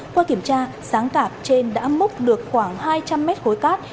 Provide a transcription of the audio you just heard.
qua kiểm tra sáng cạp trên đã múc được khoảng hai trăm linh m khối cát